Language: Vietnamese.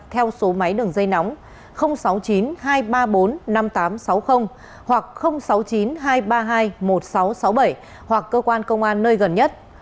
theo số máy đường dây nóng sáu mươi chín hai trăm ba mươi bốn năm nghìn tám trăm sáu mươi hoặc sáu mươi chín hai trăm ba mươi hai một nghìn sáu trăm sáu mươi bảy hoặc cơ quan công an nơi gần nhất